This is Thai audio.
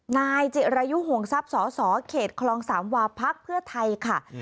นายจิรายุห่วงทรัพย์สสเขตคลองสามวาพักเพื่อไทยค่ะ